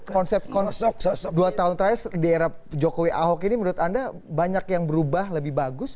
konsep konsep dua tahun terakhir di era jokowi ahok ini menurut anda banyak yang berubah lebih bagus